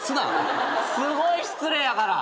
すごい失礼やから。